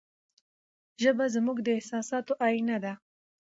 ژبه زموږ د احساساتو آینه ده.